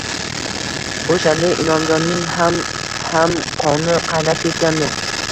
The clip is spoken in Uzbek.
O`shanda Inomjonning ham ham qoni qaynab ketgandi